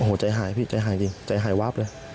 โอ้โหใจหายพี่ใจหายจริงใจหายวาบเลย